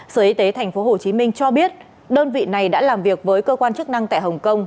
sở y tế tp hcm cho biết đơn vị này đã làm việc với cơ quan chức năng tại hồng kông